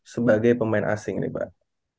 sebagai pemain asing nih mbak